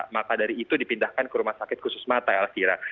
maka dari itu dipindahkan ke rumah sakit khusus mata elvira